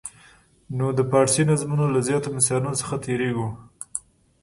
نو د فارسي نظمونو له زیاتو مثالونو څخه تېریږو.